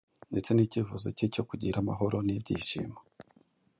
ndetse n’icyifuzo cye cyo kugira amahoro n’ibyishimo